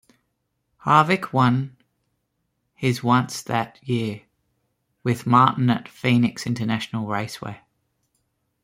Harvick won his once that year with Martin at Phoenix International Raceway.